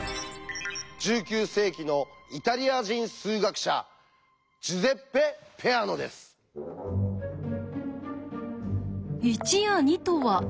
１９世紀のイタリア人数学者「１」や「２」とは何なのか？